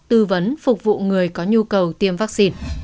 tư vấn phục vụ người có nhu cầu tiêm vaccine